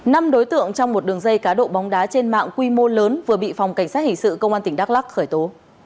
năm đối tượng trong một đường dây cá độ bóng đá trên mạng quy mô lớn vừa bị phòng cảnh sát hình sự công an tỉnh đắk lắc khởi tố